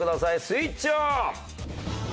スイッチオン！